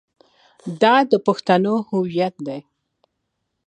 دا د پښتنو هویت دی.